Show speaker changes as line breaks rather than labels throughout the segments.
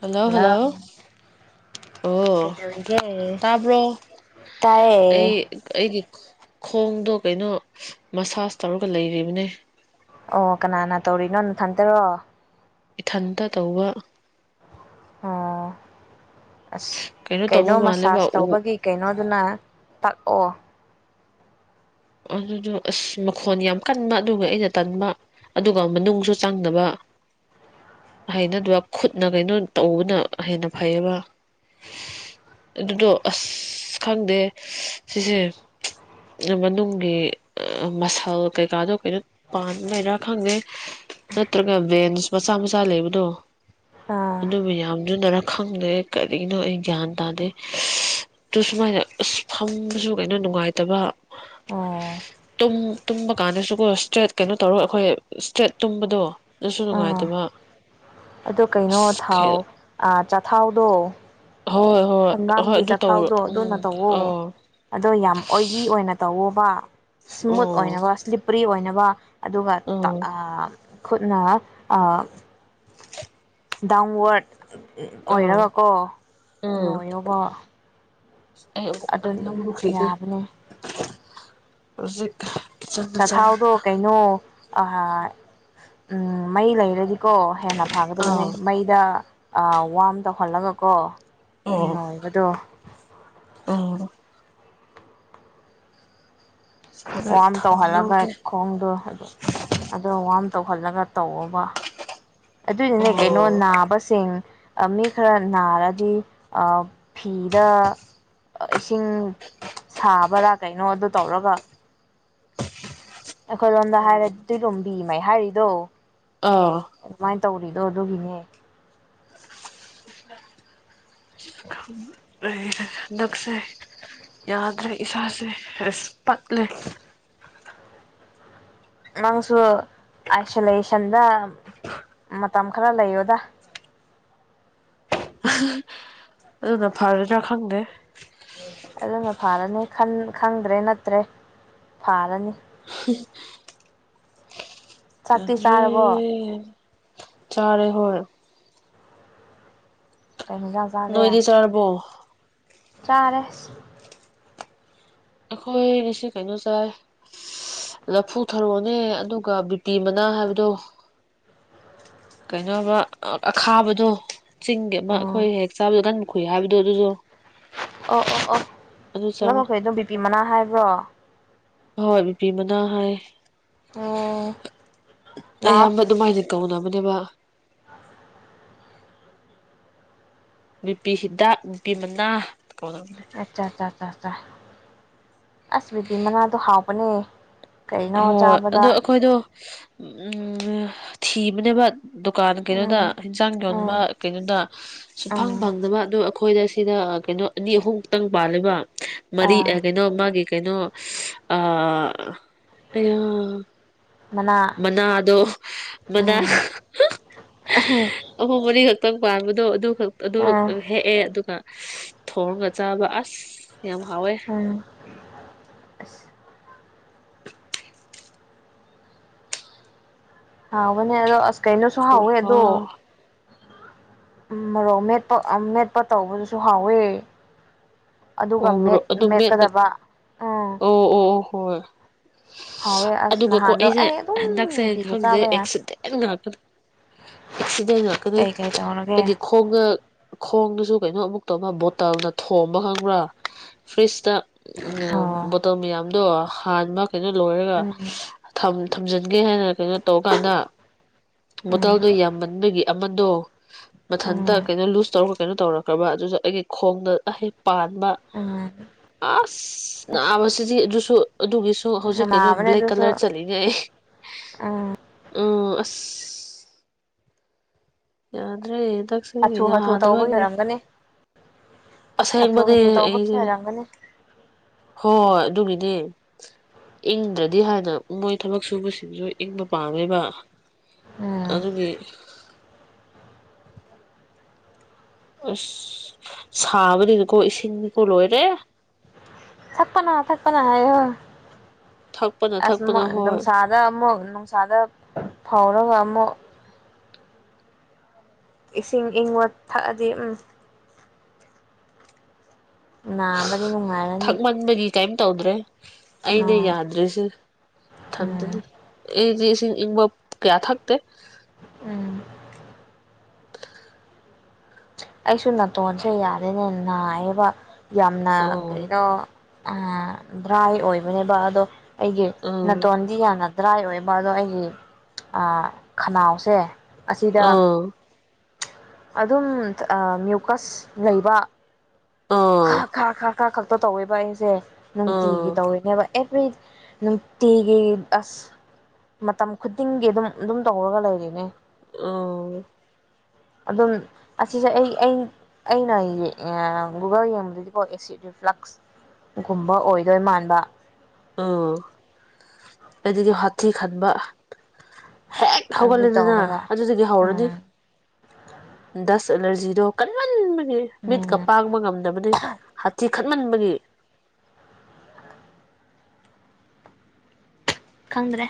Hello hello ꯑꯣ
ꯀꯩꯗꯧꯔꯤꯒꯦ
ꯇꯥꯕ꯭ꯔꯣ ꯑꯩ
ꯇꯥꯏꯌꯦ
ꯑꯩꯗꯤ ꯈꯣꯡꯗꯣ ꯀꯩꯅꯣ ꯃꯁꯥꯁ ꯇꯧꯔꯒ ꯂꯩꯔꯤꯕꯅꯦ
ꯑꯣ ꯀꯅꯥꯅ ꯇꯧꯔꯤꯅꯣ ꯅꯊꯟꯇꯔꯣ
ꯏꯊꯟꯇ ꯇꯧꯕ
ꯑ ꯑꯁ
ꯇꯧꯕ
ꯀꯩꯅꯣ
ꯃꯥꯜꯂꯦꯕ
ꯃꯁꯥꯁ
ꯎ
ꯇꯧꯕꯒꯤ ꯀꯩꯅꯣꯗꯨꯅ ꯇꯥꯛꯑꯣ
ꯑꯗꯨꯗꯣ ꯑꯁ ꯃꯈꯣꯟ ꯌꯥꯝ ꯀꯟꯕ ꯑꯗꯨꯒ ꯑꯩꯅ ꯇꯟꯕ ꯑꯗꯨꯒ ꯃꯅꯨꯡꯁꯨ ꯆꯥꯡꯅꯕ ꯍꯥꯏꯩꯅꯗ ꯈꯨꯠꯅ ꯀꯩꯅꯣ ꯇꯧꯕꯅ ꯍꯦꯟꯅ ꯐꯩꯌꯦꯕ ꯑꯗꯨꯗꯣ ꯑꯁ ꯈꯪꯗꯦ ꯁꯤꯁꯦ ꯃꯅꯨꯡ ꯃꯁꯜ ꯀꯩꯀꯥꯗꯣ ꯀꯩꯅꯣ ꯄ ꯂꯩꯔ ꯈꯪꯗꯦ ꯅꯠꯇ꯭ꯔꯒ ꯕꯦꯟꯁ ꯃꯆꯥ ꯃꯆꯥ ꯂꯩꯕꯗꯣ
ꯑꯥ
ꯑꯗꯨ ꯃ ꯌꯥꯝꯗꯨꯨꯅꯔꯥ ꯈꯪꯗꯦ ꯀꯔꯤꯒꯤꯅꯣ ꯑꯩ ꯒ꯭ꯌꯥꯟ ꯇꯥꯗꯦ ꯑꯗꯨ ꯁꯨꯃꯥꯏꯅ ꯑꯁ ꯐꯝꯕꯁꯨ ꯀꯩꯅꯣ ꯅꯨꯡꯉꯥꯏꯇꯕ
ꯑꯣ
ꯇꯨꯝꯕ ꯀꯥꯟꯗꯁꯨꯀꯣ ꯏꯁꯇ꯭ꯔꯦꯠ ꯀꯩꯅꯣ ꯇꯧꯔꯣ ꯑꯩꯈꯣꯏ ꯏꯁꯇ꯭ꯔꯦꯠ ꯇꯨꯝꯕꯗꯣ ꯑꯗꯨꯁꯨ ꯅꯨꯡꯉꯥꯏꯇꯕ
ꯑꯗꯣ ꯀꯩꯅꯣ ꯊꯥꯎ
ꯑꯁ
ꯆꯊꯥꯎꯗꯣ
ꯍꯣꯏ ꯍꯣꯏ ꯍꯣꯏ
ꯍꯪꯒꯥꯝꯒꯤ
ꯑꯗꯨ ꯇꯧꯔꯣ
ꯆꯊꯥꯎꯗꯣ
ꯎꯝ
ꯑꯗꯨꯅ ꯇꯧꯋ
ꯑꯣ
ꯑꯗꯣ ꯌꯥꯝ ꯑꯣꯏꯂꯤ ꯑꯣꯏꯅ ꯇꯧꯋ ꯋꯥ ꯏꯁꯃꯨꯠ
ꯑꯣ
ꯑꯣꯏꯅꯕ ꯁ꯭ꯂꯤꯞꯄ꯭ꯔꯤ ꯑꯣꯏꯅꯕ ꯋꯥ ꯑꯗꯨꯒ ꯇ
ꯎꯝ
ꯈꯨꯠꯅ ꯗꯥꯎꯋꯔꯠ
ꯑꯥ
ꯑꯣꯏꯔꯒꯀꯣ ꯅꯣꯏꯌꯕ
ꯑ ꯂꯧ ꯈꯔꯤꯗ ꯍꯧꯖꯤꯛ ꯀꯤꯠꯆꯟꯗ ꯆꯪ
ꯆꯊꯥꯎꯗꯣ ꯀꯩꯅꯣ ꯑꯍ ꯎꯝ ꯃꯩ ꯂꯩꯔꯗꯤ ꯀꯣ ꯍꯦꯟꯅ ꯐꯒꯗꯕꯅꯦ
ꯑꯥ
ꯃꯩꯗ ꯑ ꯋꯥ ꯑꯃ ꯇꯧꯍꯜꯂꯒ ꯀꯣ
ꯑꯣ
ꯎ ꯏꯕꯗꯣ
ꯑꯣ ꯍꯧꯖꯤꯛ
ꯋꯥꯔꯝ
ꯊꯥꯎ
ꯇꯧꯍꯜꯂꯒ
ꯂꯧꯒꯦ
ꯈꯣꯡꯗ ꯑꯣ ꯋꯥꯔꯝ ꯇꯧꯍꯜꯂꯒ ꯇꯧꯕꯕ ꯑꯗꯨꯗꯤꯅꯦ
ꯑꯣ
ꯀꯩꯅꯣ ꯅꯥꯕꯁꯤꯡ ꯃꯤ ꯈꯔ ꯅꯥꯔꯗꯤ ꯐꯤꯗ ꯏꯁꯤꯡ ꯁꯥꯕꯔꯥ ꯀꯩꯅꯣ ꯑꯗꯨ ꯇꯧꯔꯒ ꯑꯩꯈꯣꯏꯔꯣꯝꯗ ꯍꯥꯏꯔ ꯇꯨꯔꯣꯕꯤꯉꯩ ꯍꯥꯏꯔꯤꯗꯣ
ꯑꯥ
ꯑꯗꯨꯃꯥꯏꯅ ꯇꯧꯔꯤꯗꯣ ꯑꯗꯨꯒꯤꯅꯦ
ꯍꯟꯗꯛꯁꯦ ꯌꯥꯗ꯭ꯔꯦ ꯏꯁꯥꯁꯦ ꯔꯦꯁ ꯄꯛꯂꯦ
ꯅꯪꯁꯨ ꯑꯥꯏꯁꯣꯂꯦꯁꯟꯗ ꯃꯇꯝ ꯈꯔ ꯂꯩꯌꯣꯗ
ꯑꯗꯨꯅ ꯐꯔꯗ꯭ꯔꯥ ꯈꯪꯗꯦ
ꯑꯗꯨꯅ ꯐꯥꯔꯅꯤ ꯈꯪꯗ꯭ꯔꯦ ꯅꯠꯇ꯭ꯔꯦ ꯐꯥꯔꯅꯤ
[unintelligible]
ꯆꯥꯛꯇꯤ ꯆꯥꯔꯕꯣ
ꯑ ꯆꯔꯦ ꯍꯔ
ꯀꯩ
ꯅꯣꯏꯗꯤ ꯆꯔꯔꯕꯣ
ꯆꯔꯁ
ꯑꯩꯈꯣꯏ ꯉꯁꯤ ꯀꯩꯅꯣ ꯆꯥꯏ ꯂꯐꯨ ꯊꯔꯣꯅꯦ ꯑꯗꯨꯒ ꯕꯤꯄꯤ ꯃꯅꯥ ꯍꯥꯏꯕꯗꯣ ꯀꯩꯅꯣꯕ ꯑꯈꯥꯕꯗꯣ ꯆꯤꯡꯒꯤ ꯑꯃ
ꯎꯝ
ꯑꯩꯈꯣꯏ ꯍꯦꯛ ꯆꯥꯕꯗ ꯀꯟ ꯈꯨꯨꯏ ꯍꯥꯏꯕꯗꯣ ꯑꯗꯨꯗꯣ
ꯑꯣ ꯑꯣ ꯑꯣ
ꯑꯗꯨ ꯆꯥꯏ
ꯅꯝꯃꯈꯣꯏ ꯑꯗꯨꯝ ꯕꯤꯄꯤ ꯃꯅꯥ ꯍꯥꯏꯕ꯭ꯔꯣ
ꯍꯣꯏ ꯕꯤꯄꯤ ꯃꯅꯥ ꯍꯥꯏ
ꯎꯝ ꯂꯥꯎ
ꯑꯌꯥꯝꯕ ꯑꯗꯨꯃꯥꯏꯅ ꯀꯧꯅꯕ ꯃꯅꯦꯕ ꯅꯨꯄꯤ ꯍꯤꯗꯥꯛ ꯅꯨꯄꯤ ꯃꯅꯥ ꯀꯣꯅꯅꯦ
ꯑꯠꯆꯥ ꯑꯠꯆꯥ ꯑꯠꯆꯥ ꯑꯁ ꯕꯤꯦꯕꯤ ꯃꯅꯥꯗꯣ ꯍꯥꯎꯕꯅꯦ ꯀꯩꯅꯣ
ꯍꯣꯏ
ꯆꯥꯕꯗ
ꯑꯗꯣ ꯑꯩꯈꯣꯏꯗꯣ ꯎ ꯊꯤꯕꯅꯦꯕ ꯗꯨꯀꯥꯟ ꯀꯩꯅꯣꯗ
ꯎꯝ
ꯍꯦꯟꯖꯥꯡ ꯌꯣꯟꯕ
ꯎꯝ
ꯀꯩꯅꯣꯗ ꯁꯨꯡꯐꯪ
ꯎꯝ
ꯐꯪꯗꯕ ꯑꯗꯨ ꯑꯩꯈꯣꯏꯗ ꯁꯤꯗ ꯀꯩꯅꯣ ꯑꯅꯤ ꯑꯍꯨꯝ ꯃꯨꯛꯇꯪ ꯄꯥꯜꯂꯦꯕ ꯃꯔꯤ
ꯑꯥ
ꯑꯦ ꯀꯩꯅꯣ ꯃꯥꯒꯤ ꯀꯩꯅꯣ ꯑ ꯑꯌꯥ
ꯃꯅꯥ
ꯃꯅꯥꯗꯣ ꯃꯅꯥ
ꯎꯝ
ꯑꯍꯨꯝ ꯃꯔꯤꯈꯛ ꯇꯪ ꯄꯥꯟꯕꯗꯣ ꯑꯗꯨ ꯑꯗꯨ
ꯎꯝ
ꯈꯛꯇꯪ ꯍꯦꯛꯑꯦ ꯑꯗꯨꯒ ꯊꯣꯡꯉ ꯆꯥꯕ ꯑꯁ ꯌꯥꯝ ꯍꯥꯎꯋꯦ
ꯎꯝ ꯑꯁ ꯍꯥꯎꯕꯅꯦ ꯑꯗꯣ ꯑꯁ ꯀꯩꯅꯣꯁꯨ ꯍꯥꯎꯋꯦ ꯑꯗꯣ
ꯈꯨꯍꯥꯎ
ꯃꯔꯣꯛ ꯃꯦꯠꯄ ꯑ ꯃꯦꯠꯄ ꯇꯧꯕꯗꯨꯁꯨ ꯍꯥꯎꯋꯦ ꯑꯗꯨꯒ
ꯑꯣꯕ꯭ꯔꯣ
ꯃꯦꯠ
ꯑꯗꯨ ꯃꯦꯠꯂ
ꯃꯦꯠꯀꯗꯕ ꯎꯝ
ꯑꯣ ꯑꯣ ꯍꯣꯏ
ꯍꯥꯎꯋꯦ ꯑꯁ
ꯑꯗꯨꯒ ꯀꯣ
ꯅꯍꯥꯟꯗꯣ
ꯑꯩꯁꯦ
ꯑꯩ ꯑꯗꯨꯝ
ꯍꯟꯗꯛꯁꯦ
ꯅꯨꯡꯇꯤꯒꯤ
ꯈꯪꯗꯦ
ꯆꯥꯕ ꯌꯥꯏ
ꯑꯦꯛꯁꯤꯗꯦꯟ ꯉꯥꯛꯇ ꯑꯦꯛꯁꯤꯗꯦꯟ ꯉꯥꯛꯇꯅꯤ
ꯀꯩꯀꯩ ꯇꯧꯔꯒꯦ
ꯑꯩꯒꯤ ꯈꯣꯡꯒ ꯈꯣꯡꯗꯨꯁꯨ ꯀꯩꯅꯣ ꯑꯃꯨꯛ ꯇꯧꯕ ꯕꯣꯇꯜꯅ ꯊꯣꯝꯕ ꯈꯪꯕ꯭ꯔꯥ꯫ ꯐ꯭ꯔꯤꯁꯇ [inaudible]
ꯑꯣ
ꯕꯣꯇꯜ ꯃꯌꯥꯝꯗꯣ ꯍꯥꯟꯃꯛ ꯀꯩꯅꯣ ꯂꯣꯏꯔꯒ
ꯎꯝ
ꯊꯝ ꯊꯝꯖꯟꯒꯦ ꯍꯥꯏꯅ ꯀꯩꯅꯣ ꯇꯧꯀꯥꯟꯗ
ꯎꯝ
ꯕꯣꯇꯜꯗꯣ ꯌꯥꯝꯃꯟꯕꯒꯤ ꯑꯃꯗꯣ ꯃꯊꯟꯇ
ꯎꯝ
ꯀꯩꯅꯣ ꯂꯨ꯭ꯖ ꯇꯧꯔꯒ ꯀꯩꯅꯣ ꯇꯧꯔꯛꯈ꯭ꯔꯕ ꯑꯗꯨꯁꯨ ꯑꯩꯒꯤ ꯈꯣꯡꯅ ꯑꯍꯩ ꯄꯥꯟ
ꯎꯝ
ꯑꯁ ꯅꯥꯕꯁꯤꯗꯤ ꯑꯗꯨꯁꯨ ꯑꯗꯨꯒꯤꯁꯨ ꯍꯧꯖꯤꯛ ꯀꯩꯅꯣ
ꯅꯥꯕꯅꯦ
ꯕ꯭ꯂꯦꯛ
ꯑꯗꯨꯁꯨ
ꯀꯂ꯭ꯔ ꯆꯠꯂꯤꯅꯦ ꯑꯩ
ꯎꯝ
ꯎꯝ ꯑꯁ ꯌꯥꯗ꯭ꯔꯦ ꯍꯟꯗꯛꯁꯦ
ꯍꯥꯊꯨ ꯍꯥꯊꯨ ꯇꯧꯕꯒꯤ
ꯌꯥꯗꯕꯒꯤ
ꯑꯣꯏꯔꯝꯒꯅꯤ ꯍꯥꯊꯨ
ꯑꯁꯦꯡꯕꯗꯤ
ꯍꯥꯊꯨ ꯇꯧꯕꯒꯤ
ꯑꯩꯁꯦ
ꯑꯣꯏꯔꯝꯒꯅꯤ
ꯍꯣꯏ ꯑꯗꯨꯒꯤꯅꯦ ꯏꯪꯗ꯭ꯔꯗꯤ ꯍꯥꯏꯅ ꯃꯣꯏ ꯊꯕꯛ ꯁꯨꯕꯁꯤꯡꯁꯨ ꯏꯪꯕ ꯄꯥꯝꯃꯦꯕ꯫
ꯎꯝ
ꯑꯗꯨꯒꯤ ꯑꯁ ꯁꯥꯕꯅꯤꯅꯀꯣ ꯏꯁꯤꯡꯗꯤꯀꯣ ꯂꯣꯏꯔꯦ꯫
ꯊꯛꯄꯅ-ꯊꯛꯄꯅ ꯍꯥꯏꯌꯣ꯫
ꯊꯛꯄꯅ
ꯑꯁ
ꯊꯛꯄꯅ
ꯃꫭ
ꯍꯣꯏ
ꯅꯨꯡꯁꯥꯗ ꯃꯨꯛ ꯅꯨꯡꯁꯥꯗ ꯐꯥꯎꯔꯒ ꯑꯃꯨꯛ ꯏꯁꯤꯡ ꯏꯪꯕ ꯊꯛꯑꯗꯤ ꯎꯝ ꯅꯥꯞ ꯕꯅꯤ ꯅꯨꯡꯉꯥꯏꯔꯅꯤ
ꯊꯛꯃꯟꯕꯒꯤ ꯀꯩꯝ ꯇꯧꯗ꯭ꯔꯦ꯫ ꯑꯩꯗꯤ
ꯎꯝ
ꯌꯥꯗ꯭ꯔꯤꯁꯤ ꯊꯟꯇꯅꯤ
ꯎꯝ
ꯁꯤꯡ ꯏꯪꯕ ꯀꯌꯥ ꯊꯛꯇꯦ꯫
ꯎꯝ ꯑꯩꯁꯨ ꯅꯥꯇꯣꯟꯁꯦ ꯌꯥꯔꯦꯅꯦ ꯅꯥꯏꯌꯦꯕ꯫ ꯌꯥꯝꯅ
ꯑꯥ
ꯀꯩꯅꯣ ꯑ ꯗ꯭ꯔꯥꯏ ꯑꯣꯏꯕꯅꯦꯕ ꯑꯗꯣ ꯑꯩꯒꯤ
ꯑꯥ
ꯅꯇꯣꯟꯗꯤ ꯌꯥꯝꯅ ꯗ꯭ꯔꯥꯏ ꯑꯣꯏꯕ ꯑꯗꯣ ꯑꯩꯒꯤ ꯑ ꯈꯅꯥꯎꯁꯦ ꯑꯁꯤꯗ
ꯑꯥ
ꯑꯗꯨꯝ ꯇ ꯑꯥ ꯃ꯭ꯌꯨꯀꯁ ꯂꯩꯕ
ꯑꯥ
ꯈ ꯈꯥ ꯈꯥ ꯈꯔ ꯈꯛꯇ ꯇꯧꯋꯦꯕ ꯑꯩꯁꯦ ꯅꯨꯡꯇꯤꯒꯤ
ꯑꯥ
ꯇꯧꯔꯤꯅꯦꯕ ꯑꯦ__ ꯅꯨꯡꯇꯤꯒꯤ ꯑꯁ ꯃꯇꯝ ꯈꯨꯗꯤꯡꯒꯤ ꯑꯗꯨꯝ ꯑꯗꯨꯝ ꯇꯧꯔꯒ ꯂꯩꯔꯤꯅꯦ
ꯑꯥ
ꯑꯗꯨꯝ ꯑꯁꯤꯁꯦ ꯑꯩ ꯑꯩꯅ ꯒꯨꯒꯜ ꯌꯦꯡꯕꯗꯗꯤꯀꯣ ꯑꯦꯁꯤꯠ ꯔꯤꯐ꯭ꯂꯛꯁꯒꯨꯝꯕ ꯑꯣꯏꯗꯣꯏ ꯃꯥꯟꯕ
ꯑꯣ ꯑꯗꯨꯗꯤ ꯍꯥꯊꯤ ꯈꯟꯕ ꯍꯦꯛ
ꯑꯗꯨ
ꯍꯧꯒꯠꯂꯦꯗꯅ
ꯇꯧꯔꯒ
ꯑꯗꯨꯗꯒꯤ
ꯎꯝ
ꯍꯧꯔꯅꯤ ꯗꯁ ꯑꯦꯂꯔꯖꯤꯗꯣ ꯀꯟꯃꯥꯟ ꯃꯤꯠꯀ
ꯎꯝ
ꯄꯥꯡꯕ ꯉꯝꯗꯕꯅꯤ ꯍꯥꯊꯤ ꯈꯠꯃꯟꯕꯒꯤ
ꯈꯪꯗ꯭ꯔꯦ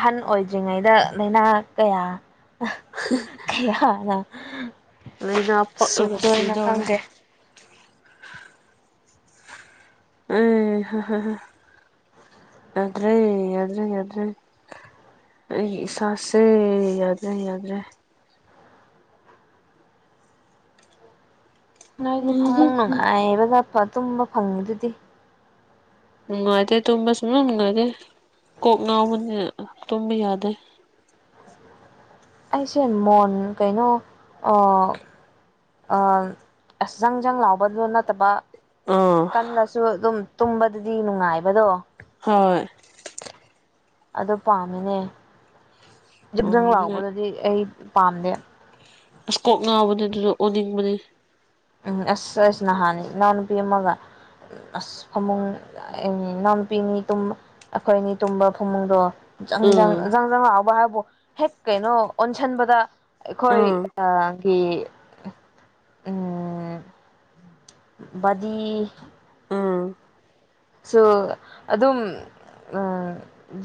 ꯑꯍꯟ ꯑꯣꯏꯗ꯭ꯔꯤꯉꯩꯗ ꯂꯥꯏꯅꯥ ꯀꯌꯥ ꯀꯌꯥꯅ
ꯂꯩꯅ ꯄꯛꯂꯒꯥ
ꯁꯨꯗꯣꯏꯅꯣ
ꯁꯤꯗꯣꯔꯦ
ꯈꯪꯗꯦ
ꯑ ꯌꯥ꯭ꯗꯔꯦ ꯌꯥꯗ꯭ꯔꯦ ꯌꯥꯗ꯭ꯔꯦ ꯑꯩꯒꯤ ꯏꯁꯥꯁꯦ ꯌꯥꯗ꯭ꯔꯦ ꯌꯥꯗ꯭ꯔꯦ
ꯅꯣꯏꯒꯤ
ꯎꯝꯍꯨꯝ
ꯐꯃꯨꯡ
ꯍꯨꯝ
ꯅꯨꯡꯉꯥꯏꯕ__ ꯇꯨꯝꯕ ꯐꯪꯉꯤ ꯑꯗꯨꯗꯤ
ꯅꯨꯡꯉꯥꯏꯇꯦ ꯇꯨꯝꯕ ꯁꯨꯡꯅꯨꯡ ꯅꯨꯡꯉꯥꯏꯇꯦ ꯀꯣꯛ ꯉꯥꯎꯕꯅꯤ ꯇꯨꯝꯕ ꯌꯥꯗꯦ
ꯑꯩꯁꯦ ꯃꯣꯟ ꯀꯩꯅꯣ ꯑ ꯑꯥ ꯑꯁ ꯖꯪꯖꯪ ꯂꯥꯎꯕꯗꯨ ꯅꯠꯇꯕ
ꯑꯥ
ꯀꯜꯂꯁꯨ ꯑꯗꯨꯝ ꯇꯨꯝꯕꯗꯨꯗꯤ ꯅꯨꯡꯉꯥꯏꯕꯗꯣ
ꯍꯣꯏ
ꯑꯗꯨ ꯄꯥꯝꯃꯤꯅꯦ ꯖꯤꯕꯗꯨꯡ
ꯎꯝ
ꯂꯥꯎꯕꯗꯨꯗꯤ ꯑꯩ ꯄꯥꯝꯗꯦ
ꯑꯁ ꯀꯣꯛ ꯉꯥꯎꯕꯗꯨ ꯑꯗꯨꯗꯨ ꯑꯣꯅꯤꯡꯕꯅꯤ
ꯎꯝ ꯑꯁ ꯑꯁ ꯅꯍꯥꯟ ꯏꯅꯥꯎ ꯅꯨꯨꯄꯤ ꯑꯃꯒ ꯑꯁ ꯐꯃꯨꯡ ꯑ ꯏꯅꯥꯎꯅꯨꯄꯤꯅꯤ ꯑꯩꯈꯣꯏꯅꯤ ꯇꯨꯝꯕ ꯐꯃꯨꯡꯗꯣ ꯪꯖꯪꯖꯪ
ꯎꯝ
ꯖꯪꯖꯪ ꯂꯥꯎꯕ ꯍꯥꯏ ꯍꯦꯛ ꯀꯩꯅꯣ ꯑꯣꯟꯁꯟꯕꯗ ꯑꯩꯈꯣꯏ
ꯎꯝ
ꯑ ꯒꯤ ꯎꯝ ꯎꯝ ꯕꯗꯤ
ꯎꯝ
ꯁꯨ ꯑꯗꯨꯝ ꯑ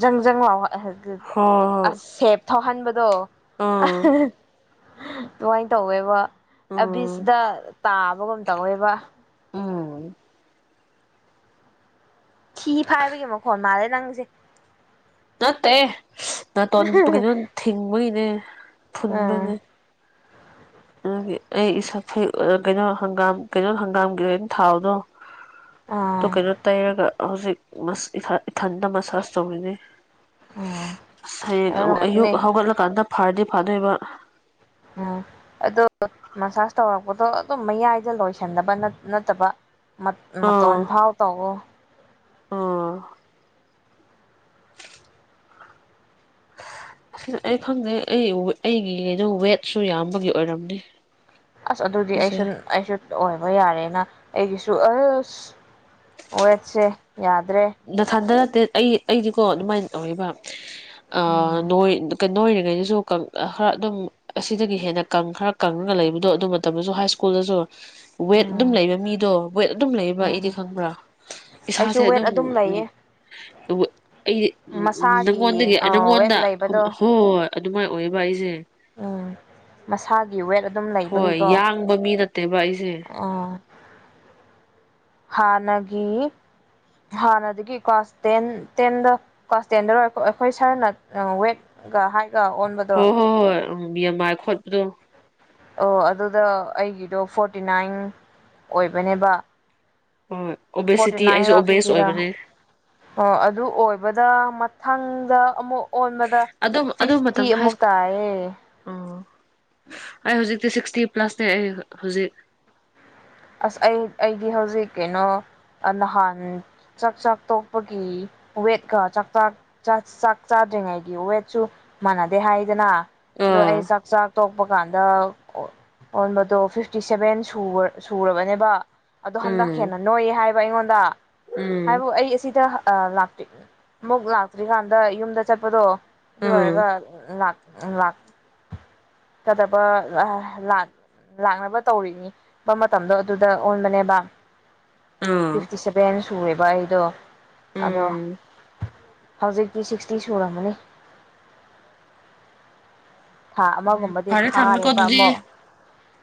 ꯖꯪ ꯖꯪ ꯂꯥꯎꯕ ꯑ ꯒ ꯒ
ꯍꯣꯏ
ꯑꯁꯦꯞ ꯊꯧꯍꯟꯕꯗꯣ
ꯍꯣꯏ
ꯑ
ꯎꯝ
ꯍꯍ ꯑꯗꯨꯃꯥꯏꯅ ꯇꯧꯋꯦꯕ
ꯎꯝ
ꯑꯕꯤꯁꯗ ꯇꯥꯕꯒꯨꯝ ꯇꯧꯋꯦꯕ
[inaudible]
ꯊꯤ ꯐꯥꯏꯕꯒꯤ ꯃꯈꯣꯟꯜ ꯃꯥꯜꯂꯦ ꯅꯪꯁꯦ
ꯅꯠꯇꯦ ꯅꯥꯇꯣꯟ ꯀꯩꯅꯣ ꯊꯤꯡꯕꯒꯤꯅꯦ
ꯑꯥ
ꯐꯨꯟꯕꯩꯅꯦ ꯑꯒꯤ ꯑꯩ ꯏꯁ ꯐꯨꯏ ꯑ ꯀꯩꯅꯣ ꯍꯪꯒꯥꯝ ꯀꯩꯅꯣ ꯑ ꯍꯪꯒꯥꯝꯒꯤ ꯑꫭꯏꯕ ꯊꯥꯎꯗꯣ ꯑꯗꯨ
ꯑꯥ
ꯀꯩꯅꯣ ꯇꯩꯔꯒ ꯍꯧꯖꯤꯛ ꯃꯁ ꯏꯊꯥ ꯏꯊꯟꯗ ꯃꯁꯥꯁ ꯇꯧꯔꯤꯅꯦ
ꯎꯝ
ꯁ ꯍꯌꯦꯡ
ꯑꯗꯨ
ꯑꯌꯨꯛ
ꯍꯥꯏꯕꯅꯦ
ꯍꯧꯒꯠꯂ ꯀꯥꯟꯗ ꯐꯔꯗꯤ ꯐꯗꯣꯏꯕ
ꯎꯝ ꯑꯗꫭ ꯃꯁꯥꯁ ꯇꯧꯔꯛꯄꯗꯣ ꯑꯗꯨꯝ ꯃꯌꯥꯏꯗ ꯂꯣꯏꯁꯟꯅꯗꯕ ꯅꯠꯇꯕ ꯃꯠ
ꯑꯥ
ꯃꯇꫭꯟ ꯐꯥꯎ ꯇꯩꯋꫭ
ꯑꯥ ꯑꯩ ꯈꯪꯗꯦ ꯑꯩ ꯋꯦ ꯑꯩꯒꯤꯗꯨ ꯋꯦꯠꯁꯨ ꯌꯥꯝꯕꯒꯤ ꯑꯣꯏꯔꯝꯅꯤ
ꯑꯁ ꯑꯗꯨꯗꯤ
ꯁꯤꯁꯦ
ꯑꯩꯁꯨꯟ ꯑꯩꯁꯨ ꯑꯣꯏꯕ ꯌꯥꯔꯦꯅ ꯑꯩꯒꯤꯁꯨ ꯑꯁ ꯋꯦꯠꯁꯦ ꯌꯥꯗ꯭ꯔꯦ
ꯗꯊꯟꯗ ꯇ ꯑꯩ ꯑꯩꯗꯤꯀꯣ ꯑꯗꯨꯃꯥꯏꯅ ꯇꯧꯔꯤꯕ ꯑ
ꯎꯝ
ꯅꯣꯏ ꯀ ꯅ ꯑꯣꯏꯔꯤꯉꯩꯗꯁꯨ ꯈꯔ ꯑꯗꯨꯝ ꯑꯁꯤꯗꯒꯤ ꯍꯦꯟꯅ ꯈꯔ ꯀꯪꯉꯒ ꯂꯩꯕꯗꯣ ꯑꯗꯨ ꯃꯇꯝꯗꯁꯨ ꯍꯥꯏ ꯁ꯭ꯀꯨꯜꯗꯁꯨ ꯋꯦꯠ
ꯎꯝ
ꯑꯗꯨꯝ ꯂꯩꯕ ꯃꯤꯗꯣ ꯋꯦꯠ ꯑꯗꯨꯝ ꯂꯩꯕ
ꯎꯝ
ꯑꯩꯗꯤ ꯈꯪꯕ꯭ꯔꯥ
ꯑꯩꯁꯨ
ꯏꯁꯥꯁꯦ
ꯋꯦꯠ
ꯑꯗꯨꯝ ꯎꯝ
ꯂꯩꯌꯦ
ꯑ ꯑꯩꯗꯤ ꯎꯝ ꯎꯝ
ꯃꯁꯥꯒꯤ
ꯅꯪꯉꯣꯟꯗꯒꯤ
ꯋꯦꯠ
ꯅꯪꯉꯣꯟꯗ
ꯂꯩꯕꯗꯣ
ꯍꯣꯏ ꯑꯗꯨꯃꯥꯏꯅ ꯑꯣꯏꯕ ꯑꯩꯁꯦ
ꯃꯁꯥꯒꯤ ꯋꯦꯠ ꯑꯗꯨꯝ
ꯍꯣꯏ
ꯂꯩꯕꯒꯤꯀꯣ
ꯌꯥꯡꯕ ꯃꯤ ꯅꯠꯇꯦꯕ ꯑꯩꯁꯦ
ꯎꯝ ꯍꯥꯟꯅꯒꯤ ꯍꯥꯟꯅꯗꯒꯤ ꯀ꯭ꯂꯥꯁ ꯇꯦꯟ ꯇꯦꯟꯗ ꯀ꯭ꯂꯥꯁ ꯇꯦꯟꯗ ꯑꯩꯈꯣꯏ ꯁꯔꯅ ꯋꯦꯠ ꯍꯥꯏ ꯏ ꯑꯣꯟꯕꯗꯣ
ꯎ ꯃꯤ ꯑꯃꯃꯥꯏ ꯈꯣꯠꯄꯗꯣ
ꯑꯣ ꯑꯗꯨꯗ ꯑꯩꯒꯤꯗꯣ ꯐꯣꯔꯇꯤ ꯅꯥꯏꯟ ꯑꯣꯏꯕꯅꯦꯕ
ꯍꯣꯏ
ꯐꯣꯔꯇꯤ
ꯑꯣꯕꯦꯁꯤꯇꯤ ꯑꯩꯁꯨ
ꯅꯥꯏꯟꯔꯣ
ꯑꯣꯕꯦꯁ
ꯐꯤꯐꯇꯤꯔꯥ
ꯑꯣꯏꯕꯅꯦ
ꯑꯣ ꯑꯗꯨ ꯑꯣꯏꯕꯗ ꯊꯥꯡꯗ ꯑꯃꯨꯛ ꯑꯣꯟꯕꯗ
ꯑꯗꯨꯝ ꯑꯗꯨ
ꯐꯤꯐꯇꯤ
ꯃꯇꯝꯗ ꯍꯥꯏ
ꯑꯃꯨꯛ
ꯁ꯭ꯀꯨꯜ
ꯇꯥꯏꯌꯦ
ꯐꯤꯇꯤ ꯁꯤꯛꯁꯇꯤ ꯄ꯭ꯂꯁꯅꯦ ꯑꯩ ꯍꯧꯖꯤꯛ
ꯑꯁ ꯑꯩ ꯑꯩꯗꯤ ꯍꯧꯖꯤꯛ ꯀꯩꯅꯣ ꯅꯍꯥꯟ ꯆꯥꯛ ꯆꯥꯛ ꯇꯣꯛꯄꯒꯤ ꯋꯦꯠꯀ ꯆꯥꯛꯥꯛ ꯆꯥꯛ ꯆꯥꯗ꯭ꯔꯤꯉꯩꯒꯤ ꯋꯦꯠꯁꯨ ꯃꯥꯟꯅꯗꯦ ꯍꯥꯏꯗꯅ ꯑꯗꯣ ꯑꯩ
ꯑꯥ
ꯆꯥꯛ ꯆꯥꯛ ꯇꯣꯛ ꯊꯣꯛꯄ ꯀꯥꯟꯗ ꯑꯣꯟꯕꯗꯣ ꯐꯤꯐꯇꯤ ꯁꯚꯦꯟ ꯁꯨꯕ ꯁꯨꯔꯕꯅꯦꯕ ꯑꯗꯣ ꯍꯟꯗꯛ
ꯎꯝ
ꯍꯦꯟꯅ ꯅꯣꯏ ꯍꯥꯏꯕ ꯑꯩꯉꯣꯟꯗ ꯇ
ꯎꯝ
ꯍꯥꯏꯕꯣ ꯑꯩ ꯑꯁꯤꯗ ꯑ ꯂꯥꯛꯇ꯭ ꯑꯃꯨꯛ ꯂꯥꯛꯇ꯭ꯔꯤꯀꯥꯟꯗ ꯌꯨꯝꯗ ꯆꯠꯄꯗꯣ
ꯎꯝ
ꯑꯗꯨꯔꯒ ꯂꯥꯛ ꯎ ꯂꯥꯛꯀꯗꯕ ꯂꯥꯛꯅꯕ ꯇꯧꯔꯤꯅꯤ ꯃꯇꯝꯗꯣ ꯑꯗꯨꯗ ꯑꯣꯟꯕꯅꯦꯕ
ꯎꯝ
ꯐꯤꯐꯇꯤ ꯁꯚꯦꯟ ꯁꯨꯔꯦꯕ ꯑꯩꯗꯣ ꯑꯗꯣ
ꯎꯝ
ꯍꯧꯖꯤꯛꯇꯤ ꯁꯤꯛꯁꯇꯤ ꯁꯨꯔꯝꯃꯅꯤ ꯊꯥ ꯑꯃꯒꯨꯝꯕꯗꯤ
ꯐꯔꯦ ꯊꯝꯃꯦꯀꯣ
ꯐꯥꯔꯦꯕ
ꯑꯗꯨꯗꯤ
ꯑꯃꯛ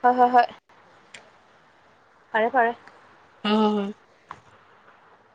ꯍꯣꯏ ꯍꯣꯏ ꯍꯣꯏ [unintelligible] ꯐꯔꯦ ꯐꯔꯦ
ꯑ